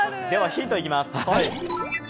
ヒントいきます。